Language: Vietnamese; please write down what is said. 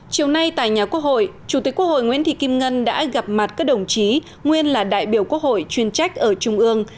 chiều nay tại nhà quốc hội chủ tịch quốc hội nguyễn thị kim ngân đã gặp mặt các đồng chí nguyên là đại biểu quốc hội chuyên trách ở trung ương